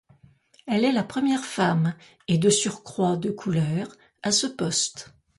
Elle est la première femme et de surcroît de couleur à ce poste.